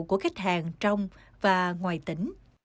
của khách hàng trong và ngoài tỉnh